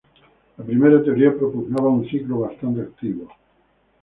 La primera teoría propugnaba un ciclo bastante activo.